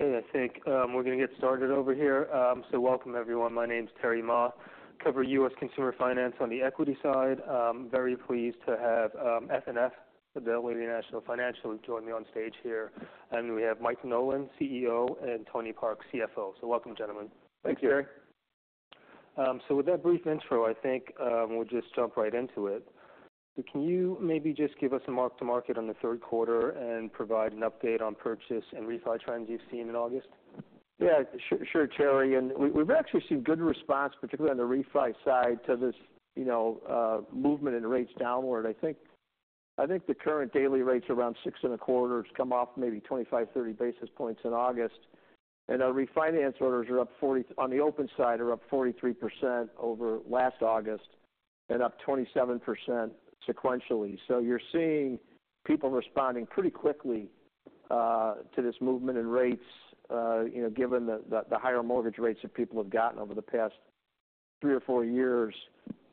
Okay, I think we're going to get started over here, so welcome everyone. My name's Terry Ma, cover US Consumer Finance on the equity side. I'm very pleased to have FNF, Fidelity National Financial, join me on stage here, and we have Mike Nolan, CEO, and Tony Park, CFO. Welcome, gentlemen. Thank you. Thanks, Terry. So with that brief intro, I think we'll just jump right into it. So can you maybe just give us a mark-to-market on the third quarter and provide an update on purchase and refi trends you've seen in August? Yeah, sure, sure, Terry. And we, we've actually seen good response, particularly on the refi side, to this, you know, movement in rates downward. I think the current daily rates around six and a quarter has come off maybe 25-30 basis points in August. And our refinance orders are up 43% on the open side over last August and up 27% sequentially. So you're seeing people responding pretty quickly to this movement in rates, you know, given the higher mortgage rates that people have gotten over the past three or four years.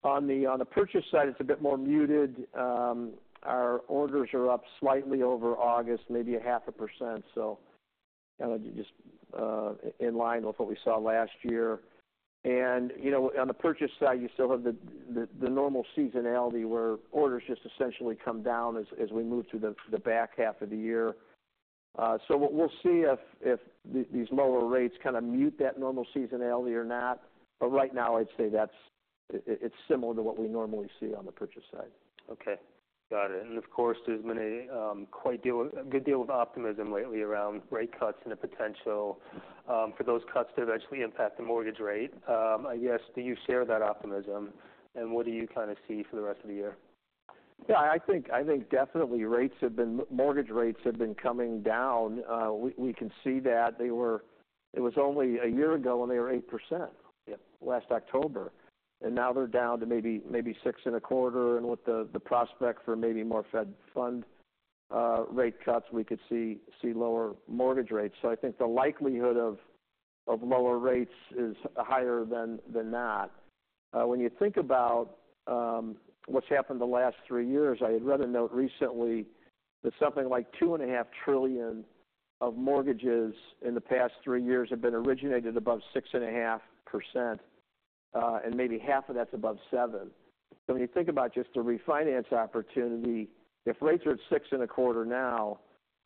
On the purchase side, it's a bit more muted. Our orders are up slightly over August, maybe 0.5%. So kind of just in line with what we saw last year. You know, on the purchase side, you still have the normal seasonality, where orders just essentially come down as we move through the back half of the year. What we'll see, if these lower rates kind of mute that normal seasonality or not. Right now, I'd say that it's similar to what we normally see on the purchase side. Okay, got it. And of course, there's been a good deal of optimism lately around rate cuts and the potential for those cuts to eventually impact the mortgage rate. I guess, do you share that optimism, and what do you kind of see for the rest of the year? Yeah, I think definitely rates have been. Mortgage rates have been coming down. We can see that. They were. It was only a year ago when they were 8%. Yep Last October, and now they're down to maybe six and a quarter. And with the prospect for maybe more Fed Funds rate cuts, we could see lower mortgage rates. So I think the likelihood of lower rates is higher than that. When you think about what's happened the last three years, I'd rather note recently that something like $2.5 trillion of mortgages in the past three years have been originated above 6.5%, and maybe half of that's above 7%. So when you think about just the refinance opportunity, if rates are at six and a quarter now,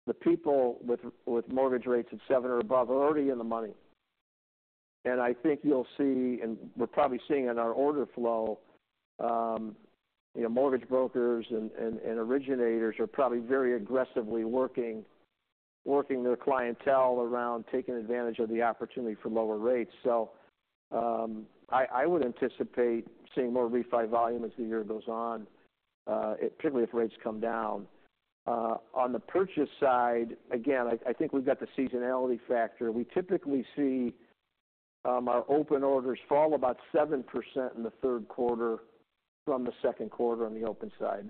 the people with mortgage rates at 7% or above are already in the money. I think you'll see, and we're probably seeing in our order flow, mortgage brokers and originators are probably very aggressively working their clientele around taking advantage of the opportunity for lower rates. So, I would anticipate seeing more refi volume as the year goes on, particularly if rates come down. On the purchase side, again, I think we've got the seasonality factor. We typically see our open orders fall about 7% in the third quarter from the second quarter on the open side.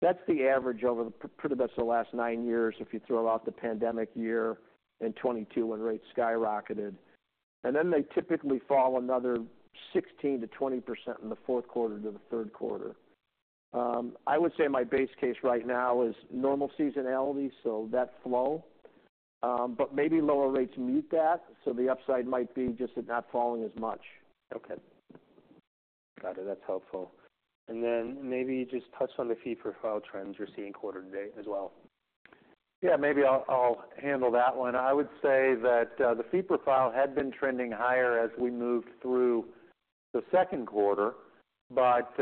That's the average over pretty much the last nine years, if you throw out the pandemic year in 2022, when rates skyrocketed. Then they typically fall another 16%-20% in the fourth quarter to the third quarter. I would say my base case right now is normal seasonality, so that flow. But maybe lower rates mute that, so the upside might be just it not falling as much. Okay. Got it. That's helpful. And then maybe just touch on the fee per file trends you're seeing quarter to date as well. Yeah, maybe I'll handle that one. I would say that the fee per file had been trending higher as we moved through the second quarter. But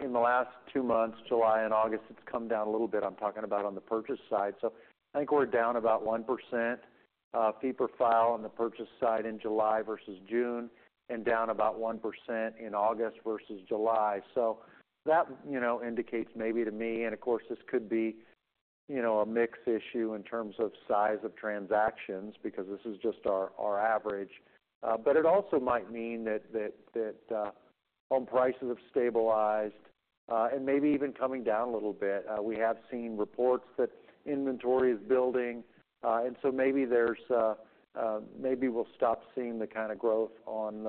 in the last two months, July and August, it's come down a little bit. I'm talking about on the purchase side. So I think we're down about 1% fee per file on the purchase side in July versus June, and down about 1% in August versus July. So that, you know, indicates maybe to me, and of course, this could be, you know, a mix issue in terms of size of transactions, because this is just our average. But it also might mean that home prices have stabilized, and maybe even coming down a little bit. We have seen reports that inventory is building, and so maybe we'll stop seeing the kind of growth on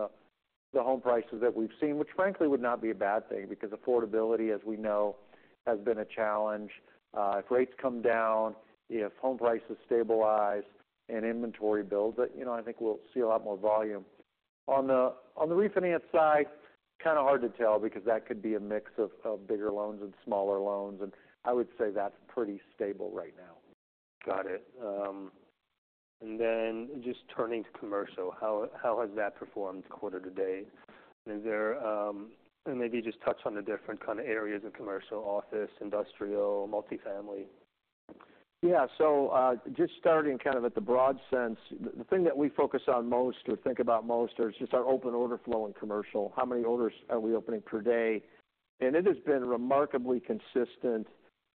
the home prices that we've seen. Which, frankly, would not be a bad thing, because affordability, as we know, has been a challenge. If rates come down, if home prices stabilize and inventory builds, you know, I think we'll see a lot more volume. On the refinance side, kind of hard to tell because that could be a mix of bigger loans and smaller loans, and I would say that's pretty stable right now. Got it. And then just turning to commercial, how has that performed quarter to date? And is there, And maybe just touch on the different kind of areas of commercial: office, industrial, multifamily. Yeah. So, just starting kind of at the broad sense, the thing that we focus on most or think about most is just our open order flow in commercial. How many orders are we opening per day? And it has been remarkably consistent,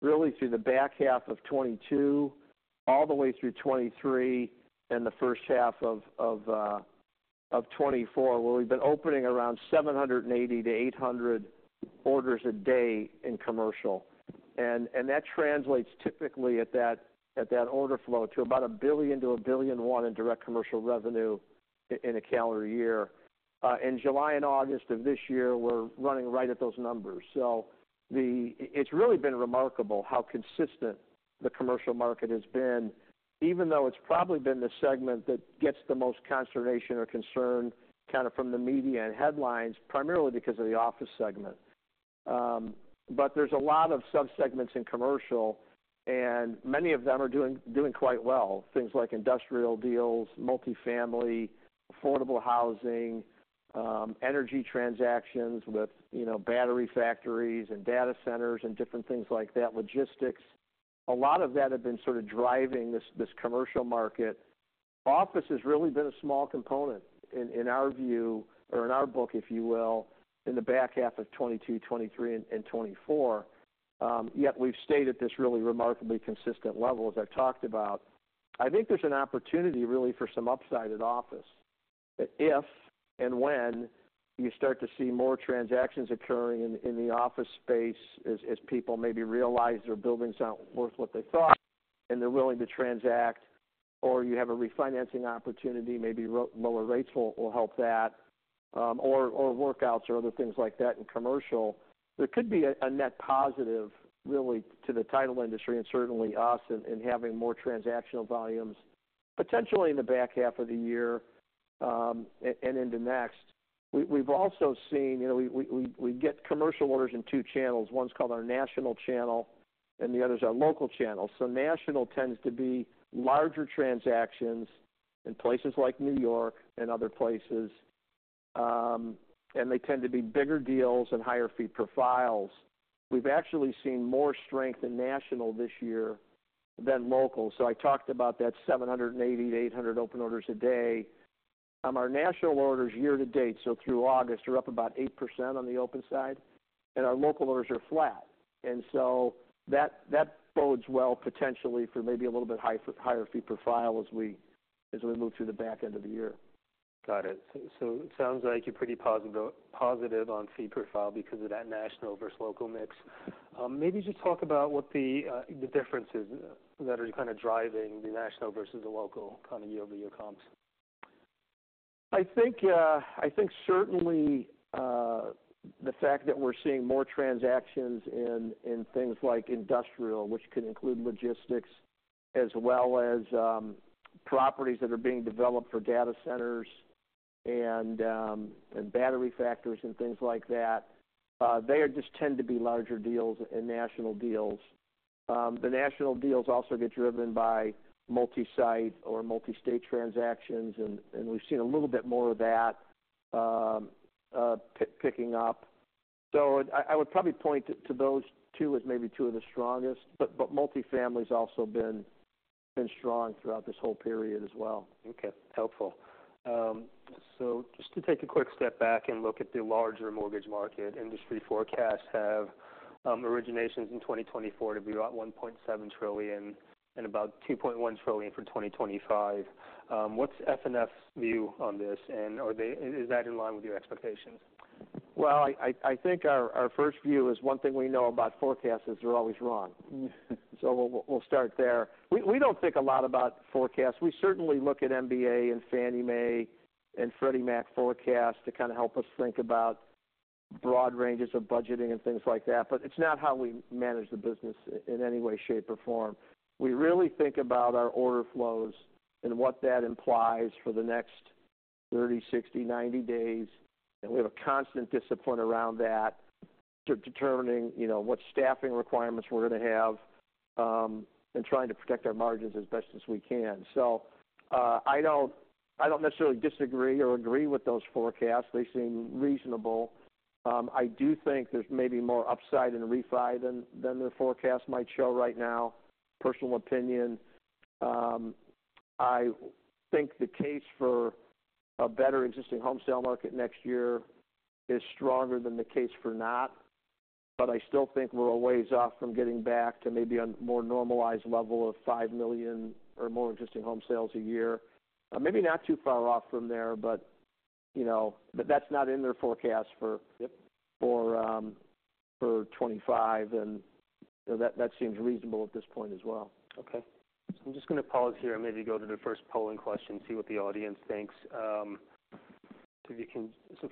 really through the back half of 2022, all the way through 2023, and the first half of 2024, where we've been opening around seven hundred and eighty to eight hundred orders a day in commercial. And that translates typically at that order flow to about $1 billion-$1.1 billion in direct commercial revenue in a calendar year. In July and August of this year, we're running right at those numbers. So it's really been remarkable how consistent the commercial market has been, even though it's probably been the segment that gets the most conversation or concern, kind of from the media and headlines, primarily because of the office segment. But there's a lot of subsegments in commercial, and many of them are doing quite well. Things like industrial deals, multifamily, affordable housing, energy transactions with, you know, battery factories and data centers, and different things like that, logistics. A lot of that have been sort of driving this commercial market. Office has really been a small component in our view, or in our book, if you will, in the back half of 2022, 2023, and 2024. Yet we've stayed at this really remarkably consistent level, as I talked about. I think there's an opportunity, really, for some upside in office. If and when you start to see more transactions occurring in the office space, as people maybe realize their buildings aren't worth what they thought, and they're willing to transact, or you have a refinancing opportunity, maybe lower rates will help that, or workouts or other things like that in commercial. There could be a net positive, really, to the title industry and certainly us, in having more transactional volumes, potentially in the back half of the year, and into next. We've also seen. You know, we get commercial orders in two channels. One's called our national channel, and the other's our local channel. So national tends to be larger transactions in places like New York and other places, and they tend to be bigger deals and higher fee profiles. We've actually seen more strength in national this year than local. So I talked about that 780-800 open orders a day. Our national orders year to date, so through August, are up about 8% on the open side, and our local orders are flat. And so that bodes well, potentially, for maybe a little bit higher fee profile as we move through the back end of the year. Got it. It sounds like you're pretty positive on fee profile because of that national versus local mix. Maybe just talk about what the differences that are kind of driving the national versus the local, kind of year-over-year comps? I think certainly the fact that we're seeing more transactions in things like industrial, which can include logistics as well as properties that are being developed for data centers and battery factories and things like that. They just tend to be larger deals and national deals. The national deals also get driven by multi-site or multi-state transactions, and we've seen a little bit more of that picking up. So I would probably point to those two as maybe two of the strongest, but multifamily has also been strong throughout this whole period as well. Okay, helpful. So just to take a quick step back and look at the larger mortgage market, industry forecasts have originations in 2024 to be about 1.7 trillion and about 2.1 trillion for 2025. What's FNF view on this? And is that in line with your expectations? I think our first view is one thing we know about forecasts is they're always wrong. We'll start there. We don't think a lot about forecasts. We certainly look at MBA and Fannie Mae and Freddie Mac forecasts to kind of help us think about broad ranges of budgeting and things like that. But it's not how we manage the business in any way, shape, or form. We really think about our order flows and what that implies for the next thirty, sixty, ninety days, and we have a constant discipline around that to determining, you know, what staffing requirements we're gonna have, and trying to protect our margins as best as we can. I don't necessarily disagree or agree with those forecasts. They seem reasonable. I do think there's maybe more upside in refi than the forecast might show right now. Personal opinion. I think the case for a better existing home sale market next year is stronger than the case for not, but I still think we're a ways off from getting back to maybe a more normalized level of five million or more existing home sales a year. Maybe not too far off from there, but, you know. But that's not in their forecast for- Yep For 25, and that seems reasonable at this point as well. Okay. I'm just gonna pause here and maybe go to the first polling question, see what the audience thinks. So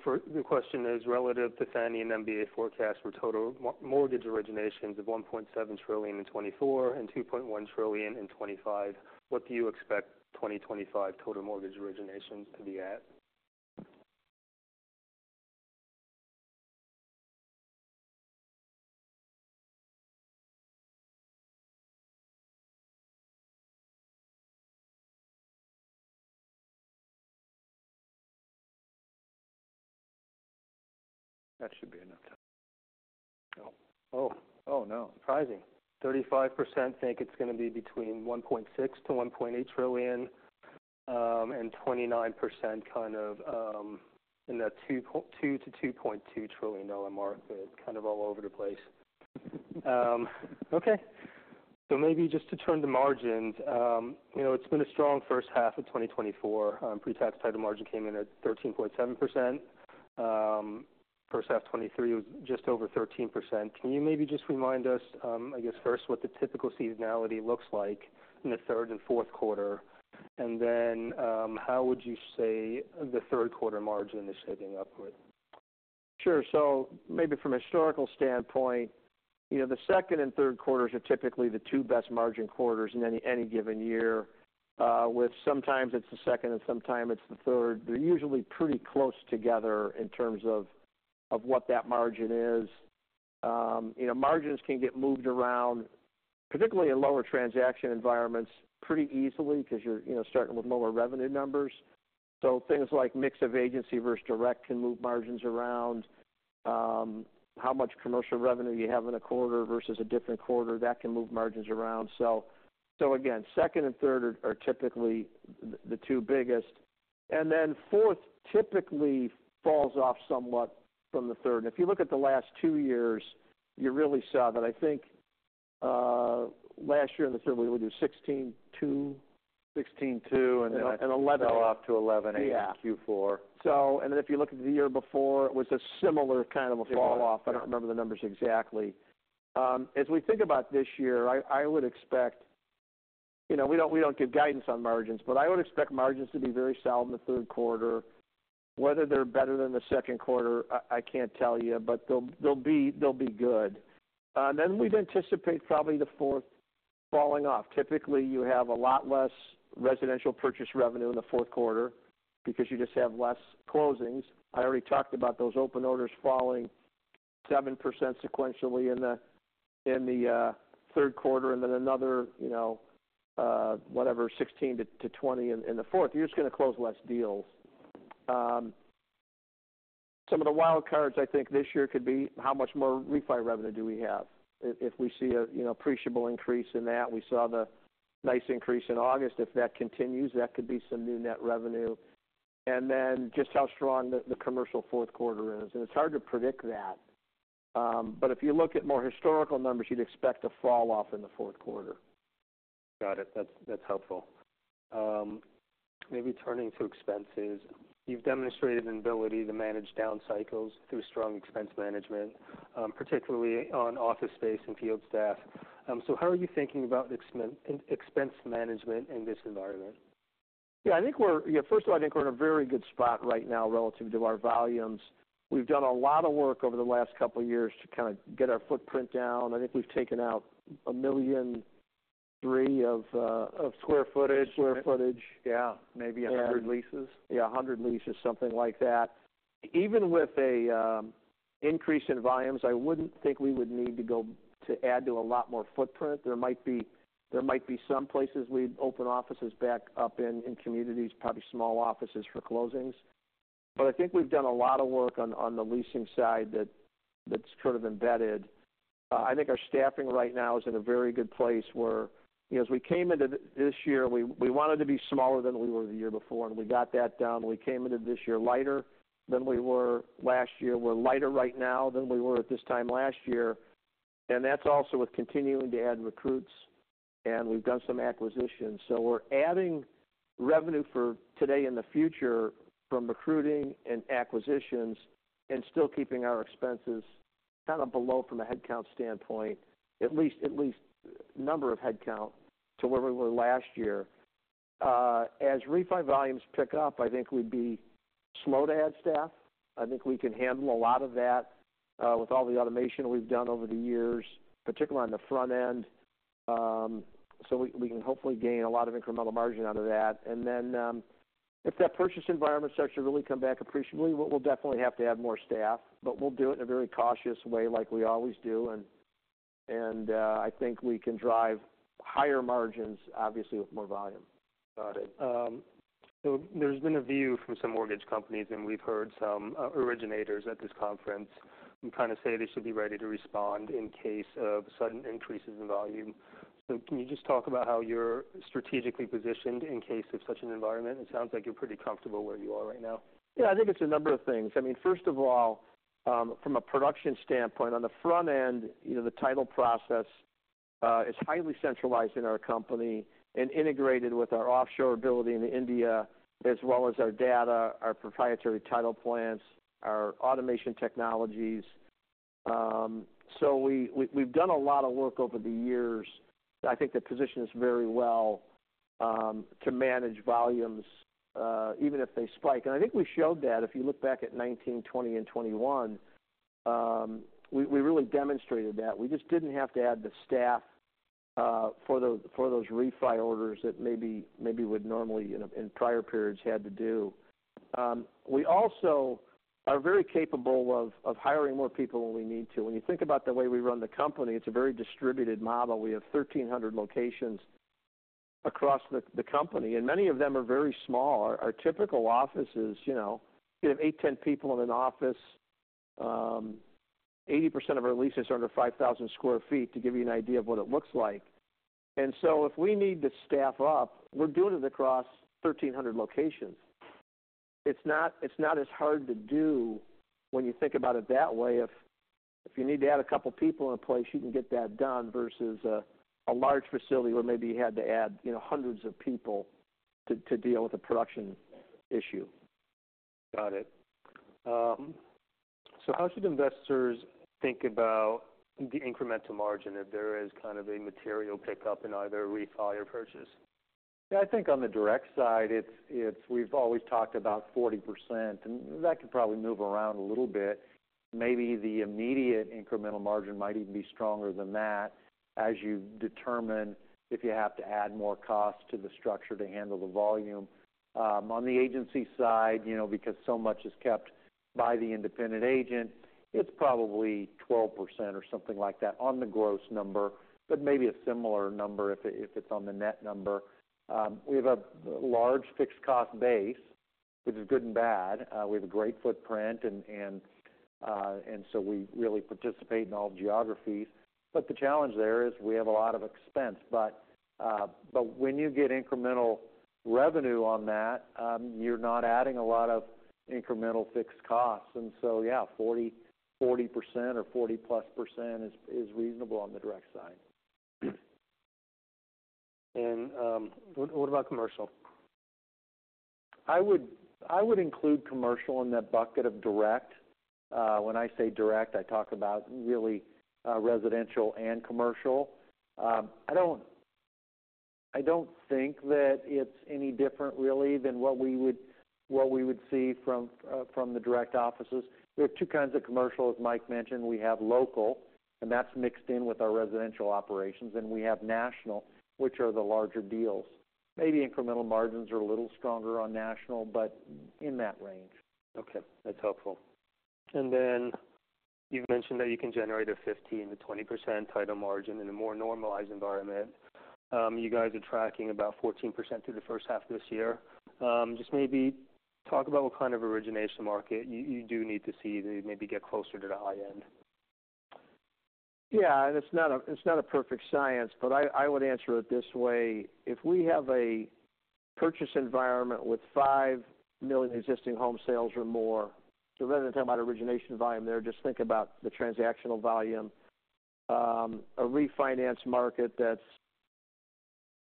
first the question is, relative to Fannie and MBA forecast for total mortgage originations of $1.7 trillion in 2024 and $2.1 trillion in 2025, what do you expect 2025 total mortgage originations to be at? That should be enough time. Oh, oh, no, surprising. 35% think it's gonna be between $1.6-$1.8 trillion, and 29% kind of in that $2.2-$2.2 trillion dollar mark. They're kind of all over the place. Okay. So maybe just to turn to margins. You know, it's been a strong first half of 2024. Pre-tax title margin came in at 13.7%. First half 2023 was just over 13%. Can you maybe just remind us, I guess first, what the typical seasonality looks like in the third and fourth quarter? And then, how would you say the third quarter margin is shaping up with? Sure. So maybe from a historical standpoint, you know, the second quarter and third quarter are typically the two best margin quarters in any given year, with sometimes it's the second and sometime it's the third. They're usually pretty close together in terms of what that margin is. You know, margins can get moved around, particularly in lower transaction environments, pretty easily because you're, you know, starting with lower revenue numbers. So things like mix of agency versus direct can move margins around. How much commercial revenue you have in a quarter versus a different quarter, that can move margins around. So again, second and third are typically the two biggest, and then fourth typically falls off somewhat from the third. If you look at the last two years, you really saw that. I think, last year in the third, we did 16.2. 16 two. And eleven. fell off to 11.8- Yeah... in Q4. And then if you look at the year before, it was a similar kind of a fall off. Yeah. I don't remember the numbers exactly. As we think about this year, I would expect, you know, we don't give guidance on margins, but I would expect margins to be very sound in the third quarter. Whether they're better than the second quarter, I can't tell you, but they'll be good. Then we'd anticipate probably the fourth falling off. Typically, you have a lot less residential purchase revenue in the fourth quarter because you just have less closings. I already talked about those open orders falling 7% sequentially in the third quarter, and then another, you know, whatever, 16 to 20 in the fourth. You're just going to close less deals. Some of the wild cards I think this year could be, how much more refi revenue do we have? If we see a, you know, appreciable increase in that, we saw the nice increase in August. If that continues, that could be some new net revenue. And then just how strong the commercial fourth quarter is. And it's hard to predict that, but if you look at more historical numbers, you'd expect a fall off in the fourth quarter. Got it. That's helpful. Maybe turning to expenses. You've demonstrated an ability to manage down cycles through strong expense management, particularly on office space and field staff. So how are you thinking about expense management in this environment? Yeah, first of all, I think we're in a very good spot right now relative to our volumes. We've done a lot of work over the last couple of years to kind of get our footprint down. I think we've taken out a million Three of square footage. Square footage. Yeah. Maybe- Yeah Hundred leases. Yeah, a hundred leases, something like that. Even with an increase in volumes, I wouldn't think we would need to go to add to a lot more footprint. There might be some places we'd open offices back up in communities, probably small offices for closings, but I think we've done a lot of work on the leasing side that's sort of embedded. I think our staffing right now is in a very good place where, you know, as we came into this year, we wanted to be smaller than we were the year before, and we got that down. We came into this year lighter than we were last year. We're lighter right now than we were at this time last year, and that's also with continuing to add recruits, and we've done some acquisitions. So we're adding revenue for today and the future from recruiting and acquisitions, and still keeping our expenses kind of below from a headcount standpoint, at least number of headcount to where we were last year. As refi volumes pick up, I think we'd be slow to add staff. I think we can handle a lot of that, with all the automation we've done over the years, particularly on the front end. So we can hopefully gain a lot of incremental margin out of that. And then, if that purchase environment starts to really come back appreciably, we'll definitely have to add more staff, but we'll do it in a very cautious way, like we always do. And, I think we can drive higher margins, obviously, with more volume. Got it. So there's been a view from some mortgage companies, and we've heard some originators at this conference, kind of say they should be ready to respond in case of sudden increases in volume. So can you just talk about how you're strategically positioned in case of such an environment? It sounds like you're pretty comfortable where you are right now. Yeah, I think it's a number of things. I mean, first of all, from a production standpoint, on the front end, you know, the title process is highly centralized in our company and integrated with our offshore ability in India, as well as our data, our proprietary title plants, our automation technologies. So we've done a lot of work over the years. I think we're very well positioned to manage volumes even if they spike. And I think we showed that if you look back at 2019, 2020, and 2021, we really demonstrated that. We just didn't have to add the staff for those refi orders that maybe would normally in prior periods had to do. We also are very capable of hiring more people when we need to. When you think about the way we run the company, it's a very distributed model. We have 1,300 locations across the company, and many of them are very small. Our typical office is, you know, you have eight, ten people in an office. 80% of our leases are under 5,000 sq ft, to give you an idea of what it looks like. And so if we need to staff up, we're doing it across 1,300 locations. It's not as hard to do when you think about it that way, if you need to add a couple people in place, you can get that done, versus a large facility, where maybe you had to add, you know, hundreds of people to deal with a production issue. Got it. So how should investors think about the incremental margin if there is kind of a material pickup in either refi or purchase? Yeah, I think on the direct side, it's, we've always talked about 40%, and that could probably move around a little bit. Maybe the immediate incremental margin might even be stronger than that, as you determine if you have to add more cost to the structure to handle the volume. On the agency side, you know, because so much is kept by the independent agent, it's probably 12% or something like that on the gross number, but maybe a similar number if it's on the net number. We have a large fixed cost base, which is good and bad. We have a great footprint and so we really participate in all geographies. But the challenge there is we have a lot of expense, but when you get incremental revenue on that, you're not adding a lot of incremental fixed costs. And so yeah, 40% or 40-plus% is reasonable on the direct side. What about commercial? I would include commercial in that bucket of direct. When I say direct, I talk about really residential and commercial. I don't think that it's any different really than what we would see from the direct offices. There are two kinds of commercial, as Mike mentioned. We have local, and that's mixed in with our residential operations, and we have national, which are the larger deals. Maybe incremental margins are a little stronger on national, but in that range. Okay, that's helpful. And then you've mentioned that you can generate a 15%-20% title margin in a more normalized environment. You guys are tracking about 14% through the first half of this year. Just maybe talk about what kind of origination market you do need to see to maybe get closer to the high end. Yeah, and it's not a perfect science, but I would answer it this way: if we have a purchase environment with five million existing home sales or more, so rather than talking about origination volume there, just think about the transactional volume. A refinance market that's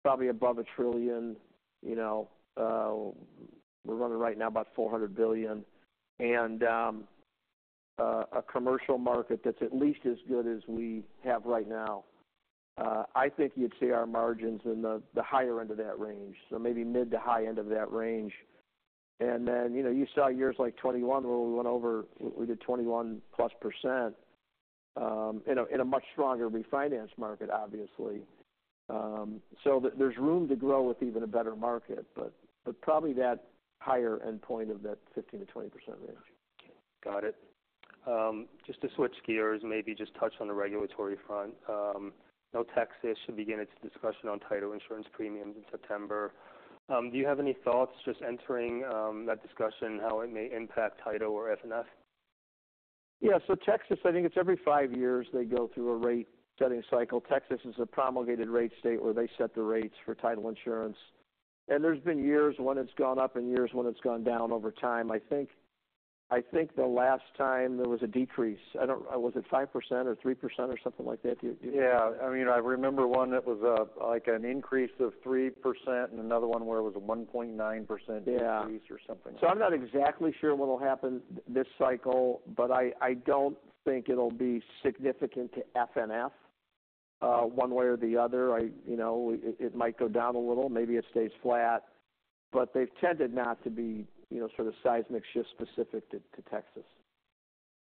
probably above $1 trillion, you know, we're running right now about $400 billion, and a commercial market that's at least as good as we have right now. I think you'd see our margins in the higher end of that range, so maybe mid to high end of that range. And then, you know, you saw years like 2021, where we went over, we did 21%+, in a much stronger refinance market, obviously. So, there's room to grow with even a better market, but probably that higher end point of that 15%-20% range. Got it. Just to switch gears, maybe just touch on the regulatory front. Now Texas should begin its discussion on title insurance premiums in September. Do you have any thoughts just entering, that discussion, how it may impact title or FNF? Yeah. So Texas, I think it's every five years, they go through a rate-setting cycle. Texas is a promulgated rate state, where they set the rates for title insurance, and there's been years when it's gone up and years when it's gone down over time. I think, I think the last time there was a decrease, I don't was it 5% or 3% or something like that? Do you. Yeah. I mean, I remember one that was, like an increase of 3%, and another one where it was a 1.9%- Yeah increase or something. So I'm not exactly sure what'll happen this cycle, but I don't think it'll be significant to FNF one way or the other. I, you know, it might go down a little, maybe it stays flat, but they've tended not to be, you know, sort of seismic shift specific to Texas.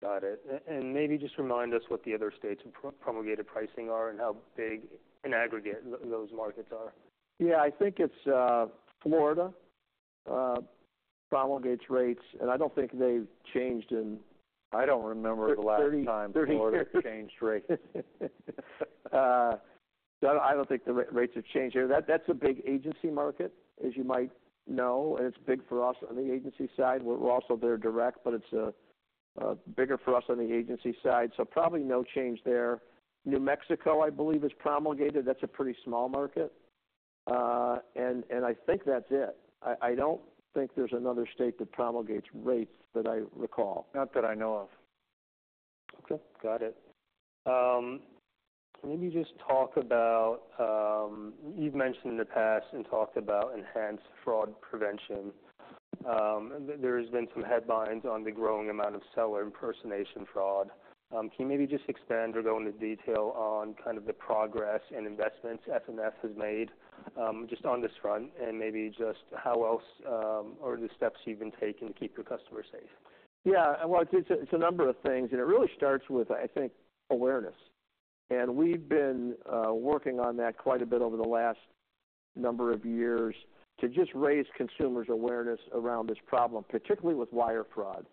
Got it. And maybe just remind us what the other states' promulgated pricing are and how big in aggregate those markets are. Yeah, I think it's Florida, promulgates rates, and I don't think they've changed in- I don't remember the last time- thirty years Florida insurance rates. So I don't think the rates have changed here. That's a big agency market, as you might know, and it's big for us on the agency side. We're also there direct, but it's bigger for us on the agency side, so probably no change there. New Mexico, I believe, is promulgated. That's a pretty small market. And I think that's it. I don't think there's another state that promulgates rates that I recall. Not that I know of. Okay, got it. Can you just talk about. You've mentioned in the past and talked about enhanced fraud prevention. There has been some headlines on the growing amount of seller impersonation fraud. Can you maybe just expand or go into detail on kind of the progress and investments FNF has made, just on this front? And maybe just how else, or the steps you've been taking to keep your customers safe. Yeah, well, it's a number of things, and it really starts with, I think, awareness. And we've been working on that quite a bit over the last number of years to just raise consumers' awareness around this problem, particularly with wire fraud,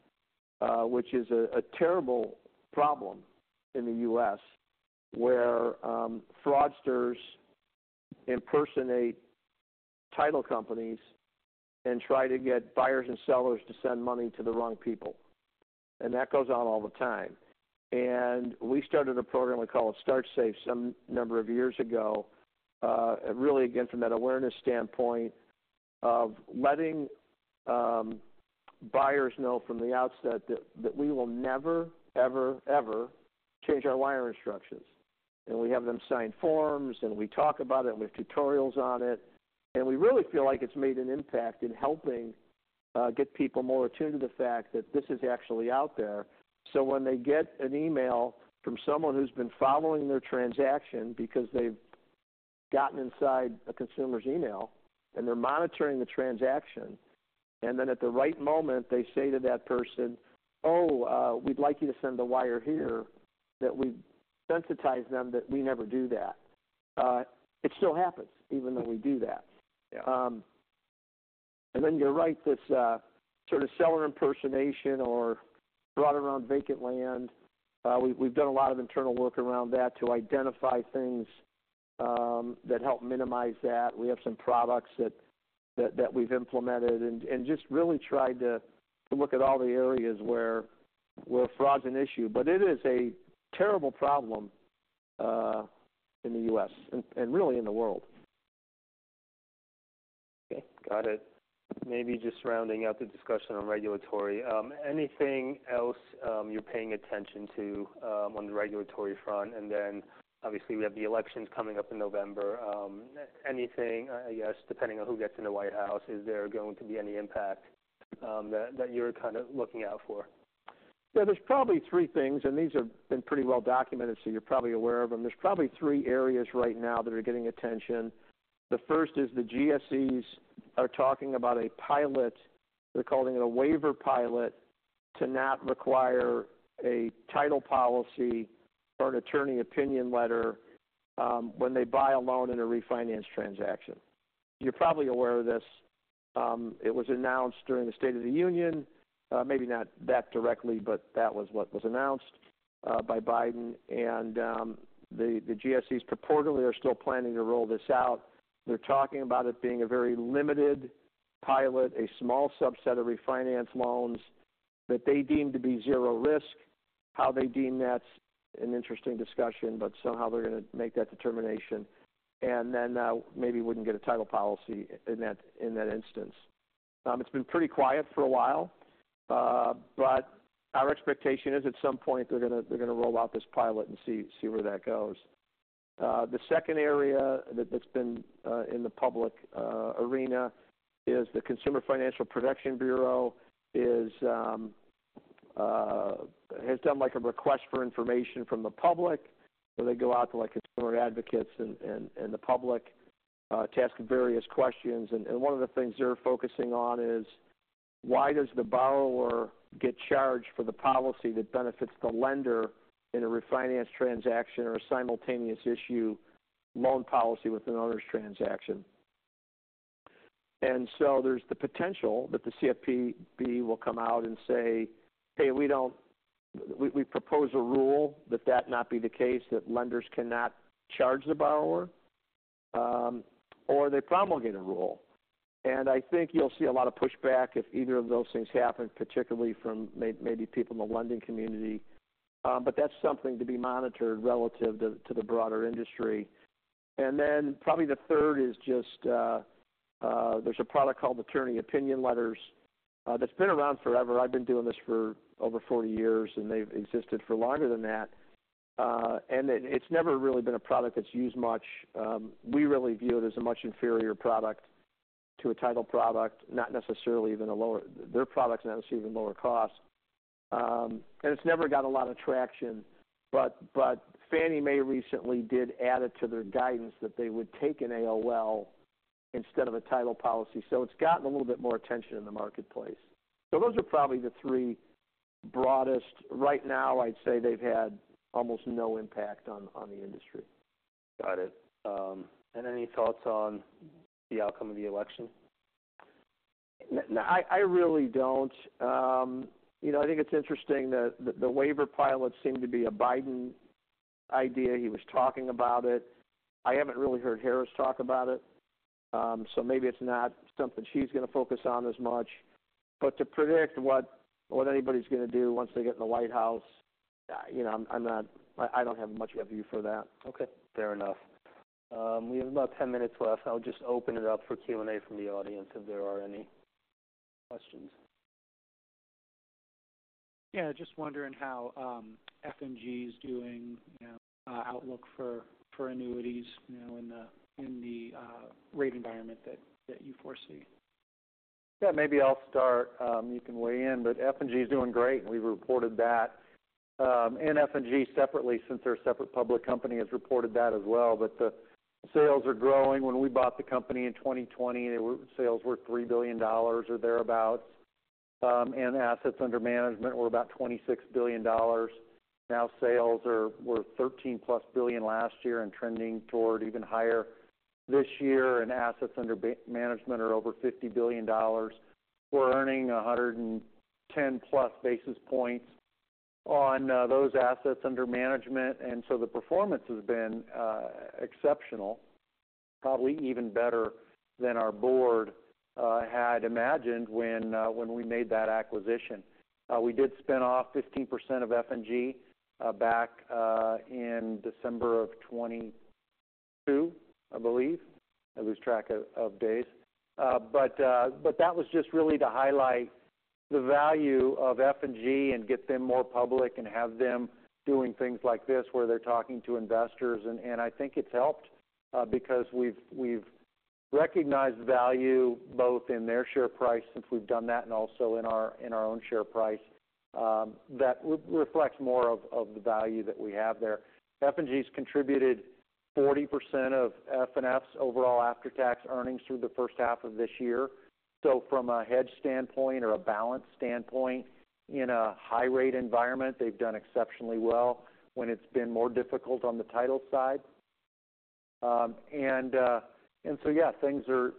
which is a terrible problem in the U.S., where fraudsters impersonate title companies and try to get buyers and sellers to send money to the wrong people, and that goes on all the time. And we started a program we call StartSafe, some number of years ago. Really, again, from that awareness standpoint of letting buyers know from the outset that we will never, ever, ever change our wiring instructions. And we have them sign forms, and we talk about it, and we have tutorials on it. We really feel like it's made an impact in helping get people more attuned to the fact that this is actually out there. So when they get an email from someone who's been following their transaction, because they've gotten inside a consumer's email, and they're monitoring the transaction, and then at the right moment, they say to that person, "Oh, we'd like you to send the wire here," that we've sensitized them, that we never do that. It still happens even though we do that. Yeah. And then you're right, this sort of seller impersonation or fraud around vacant land, we've done a lot of internal work around that to identify things that help minimize that. We have some products that we've implemented and just really tried to look at all the areas where fraud's an issue. But it is a terrible problem in the US and really in the world. Okay, got it. Maybe just rounding out the discussion on regulatory. Anything else you're paying attention to on the regulatory front? And then obviously, we have the elections coming up in November. Anything, I guess, depending on who gets in the White House, is there going to be any impact that you're kind of looking out for? Yeah, there's probably three things, and these have been pretty well documented, so you're probably aware of them. There's probably three areas right now that are getting attention. The first is the GSEs are talking about a pilot, they're calling it a waiver pilot, to not require a title policy or an attorney opinion letter, when they buy a loan in a refinance transaction. You're probably aware of this. It was announced during the State of the Union, maybe not that directly, but that was what was announced, by Biden, and the GSEs purportedly are still planning to roll this out. They're talking about it being a very limited pilot, a small subset of refinance loans that they deem to be zero risk. How they deem that's an interesting discussion, but somehow they're going to make that determination, and then, maybe wouldn't get a title policy in that, in that instance. It's been pretty quiet for a while, but our expectation is at some point, they're going to roll out this pilot and see where that goes. The second area that's been in the public arena is the Consumer Financial Protection Bureau has done, like, a request for information from the public. So they go out to, like, consumer advocates and the public to ask various questions. And one of the things they're focusing on is, why does the borrower get charged for the policy that benefits the lender in a refinance transaction or a simultaneous issue loan policy with another transaction? And so there's the potential that the CFPB will come out and say, "Hey, we don't. We propose a rule that not be the case, that lenders cannot charge the borrower, or they promulgate a rule." And I think you'll see a lot of pushback if either of those things happen, particularly from maybe people in the lending community. But that's something to be monitored relative to the broader industry. And then, probably the third is just there's a product called Attorney Opinion Letters that's been around forever. I've been doing this for over forty years, and they've existed for longer than that. And it's never really been a product that's used much. We really view it as a much inferior product to a title product, not necessarily even a lower. Their product's not even lower cost. And it's never got a lot of traction. But Fannie Mae recently did add it to their guidance that they would take an AOL instead of a title policy. So it's gotten a little bit more attention in the marketplace. So those are probably the three broadest. Right now, I'd say they've had almost no impact on the industry. Got it. And any thoughts on the outcome of the election? I really don't. You know, I think it's interesting that the waiver pilot seemed to be a Biden idea. He was talking about it. I haven't really heard Harris talk about it. So maybe it's not something she's going to focus on as much. But to predict what anybody's going to do once they get in the White House, you know, I'm not, I don't have much of a view for that. Okay, fair enough. We have about 10 minutes left. I'll just open it up for Q&A from the audience, if there are any questions. Yeah, just wondering how F&G is doing, you know, outlook for annuities, you know, in the rate environment that you foresee. Yeah, maybe I'll start, you can weigh in, but F&G is doing great, and we've reported that. And F&G separately, since they're a separate public company, has reported that as well. But the sales are growing. When we bought the company in 2020, sales were $3 billion or thereabout, and assets under management were about $26 billion. Now, sales were $13+ billion last year and trending toward even higher this year, and assets under management are over $50 billion. We're earning 110-plus basis points on those assets under management. And so the performance has been exceptional, probably even better than our board had imagined when we made that acquisition. We did spin off 15% of F&G back in December of 2022, I believe. I lose track of days. But that was just really to highlight the value of F&G and get them more public and have them doing things like this, where they're talking to investors. And I think it's helped, because we've recognized the value both in their share price since we've done that, and also in our own share price, that reflects more of the value that we have there. F&G's contributed 40% of FNF's overall after-tax earnings through the first half of this year. So from a hedge standpoint or a balance standpoint, in a high-rate environment, they've done exceptionally well when it's been more difficult on the title side. And so, yeah, things are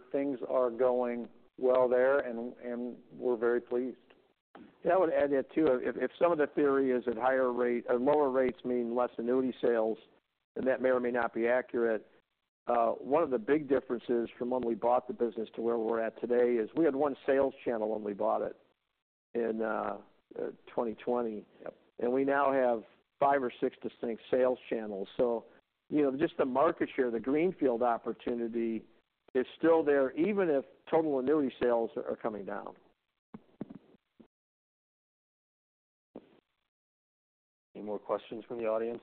going well there, and we're very pleased. Yeah, I would add that, too. If some of the theory is that higher rate, lower rates mean less annuity sales, then that may or may not be accurate. One of the big differences from when we bought the business to where we're at today is, we had one sales channel when we bought it in 2020. Yep. We now have five or six distinct sales channels. You know, just the market share, the greenfield opportunity is still there, even if total annuity sales are coming down. Any more questions from the audience?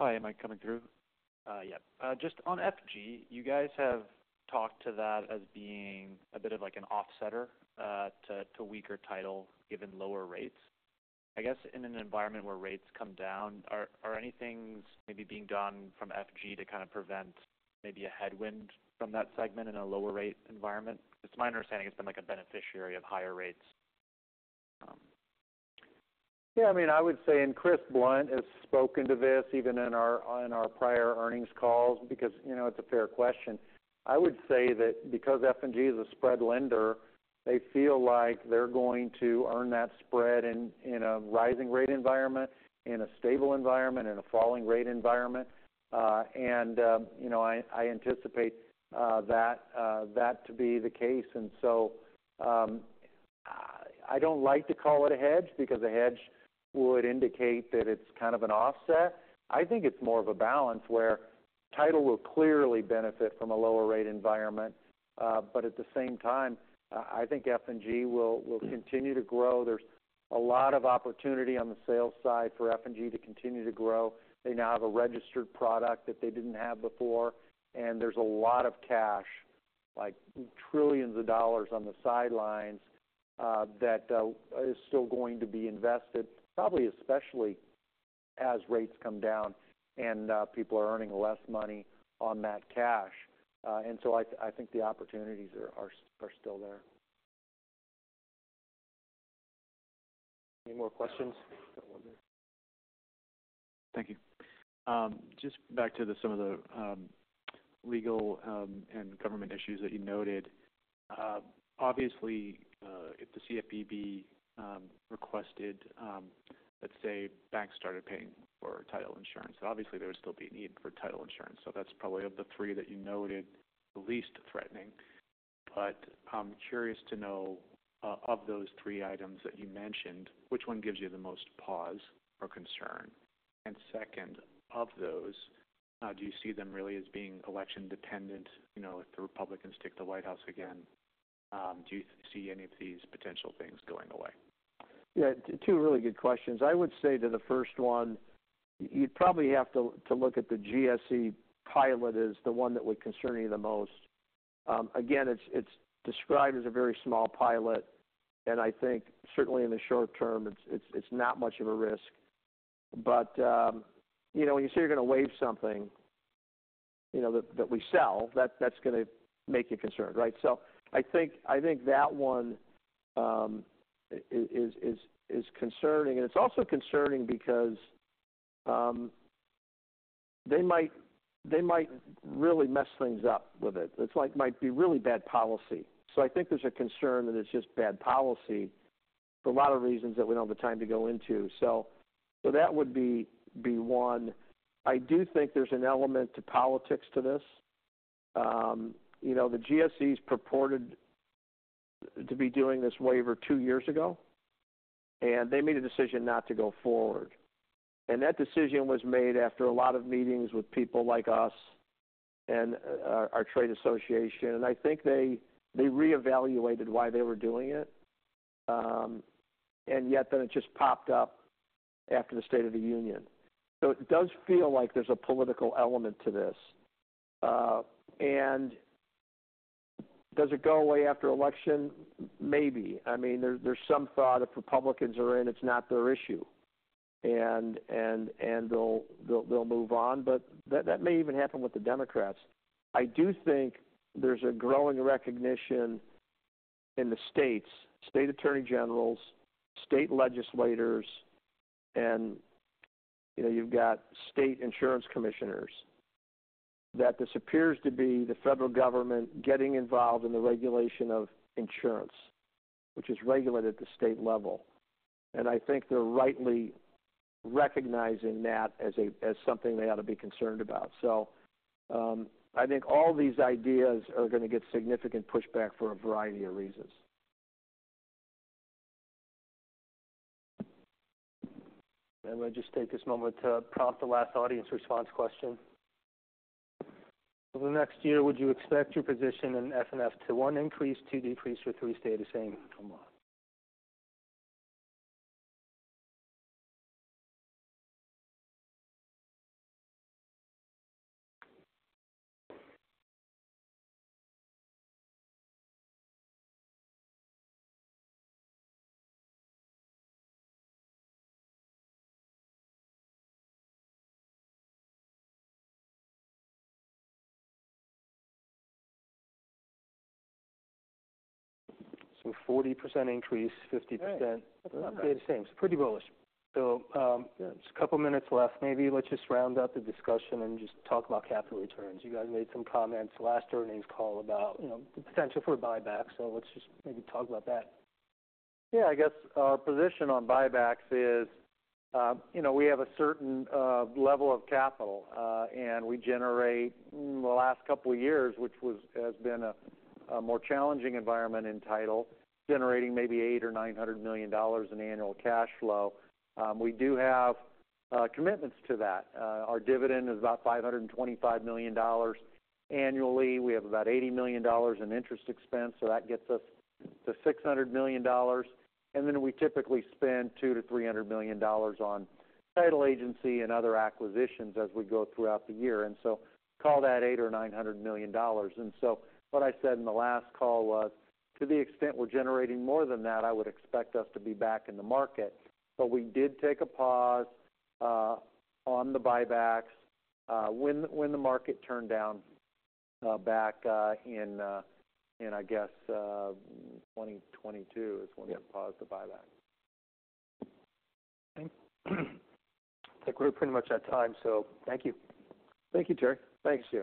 Hi, am I coming through? Yeah. Just on F&G, you guys have talked to that as being a bit of, like, an off setter to weaker title, given lower rates. I guess, in an environment where rates come down, are any things maybe being done from F&G to kind of prevent maybe a headwind from that segment in a lower rate environment? It's my understanding it's been, like, a beneficiary of higher rates. Yeah, I mean, I would say, and Chris Blunt has spoken to this even on our prior earnings calls, because, you know, it's a fair question. I would say that because F&G is a spread lender, they feel like they're going to earn that spread in a rising rate environment, in a stable environment, in a falling rate environment. And you know, I anticipate that to be the case. And so, I don't like to call it a hedge, because a hedge would indicate that it's kind of an offset. I think it's more of a balance, where title will clearly benefit from a lower rate environment, but at the same time, I think F&G will continue to grow. There's a lot of opportunity on the sales side for F&G to continue to grow. They now have a registered product that they didn't have before, and there's a lot of cash, like trillions of dollars, on the sidelines, that is still going to be invested, probably especially as rates come down and people are earning less money on that cash, and so I think the opportunities are still there. Any more questions? Got one there. Thank you. Just back to some of the legal and government issues that you noted. Obviously, if the CFPB requested, let's say, banks started paying for title insurance, obviously there would still be a need for title insurance. So that's probably, of the three that you noted, the least threatening. But I'm curious to know, of those three items that you mentioned, which one gives you the most pause or concern? And second, of those, do you see them really as being election-dependent? You know, if the Republicans take the White House again, do you see any of these potential things going away? Yeah, two really good questions. I would say to the first one, you'd probably have to look at the GSE pilot as the one that would concern you the most. Again, it's described as a very small pilot, and I think certainly in the short term, it's not much of a risk. But you know, when you say you're going to waive something, you know, that we sell, that's gonna make you concerned, right? So I think that one is concerning. And it's also concerning because they might really mess things up with it. It's like might be really bad policy. So I think there's a concern that it's just bad policy for a lot of reasons that we don't have the time to go into. So that would be one. I do think there's an element to politics to this. You know, the GSEs purported to be doing this waiver two years ago, and they made a decision not to go forward. And that decision was made after a lot of meetings with people like us and our trade association, and I think they reevaluated why they were doing it. And yet, then it just popped up after the State of the Union. So it does feel like there's a political element to this. And does it go away after election? Maybe. I mean, there's some thought if Republicans are in, it's not their issue, and they'll move on, but that may even happen with the Democrats. I do think there's a growing recognition in the states, state attorneys general, state legislators, and, you know, you've got state insurance commissioners, that this appears to be the federal government getting involved in the regulation of insurance, which is regulated at the state level. And I think they're rightly recognizing that as something they ought to be concerned about. So, I think all these ideas are going to get significant pushback for a variety of reasons. And let's just take this moment to prompt the last audience response question. Over the next year, would you expect your position in FNF to, one, increase, two, decrease, or three, stay the same? So 40% increase, 50%- Right. Stay the same. It's pretty bullish. So, just a couple minutes left. Maybe let's just round up the discussion and just talk about capital returns. You guys made some comments last earnings call about, you know, the potential for buybacks, so let's just maybe talk about that. Yeah, I guess our position on buybacks is, you know, we have a certain level of capital, and we generate, the last couple of years, which has been a more challenging environment in title, generating maybe $800 million-$900 million in annual cash flow. We do have commitments to that. Our dividend is about $525 million annually. We have about $80 million in interest expense, so that gets us to $600 million. And then we typically spend $200 million-$300 million on title agency and other acquisitions as we go throughout the year, and so call that $800 million-$900 million. What I said in the last call was, to the extent we're generating more than that, I would expect us to be back in the market. But we did take a pause on the buybacks when the market turned down back in, I guess, 2022 is when- Yep. We paused the buyback. I think we're pretty much at time, so thank you. Thank you, Terry. Thanks, [inaudible]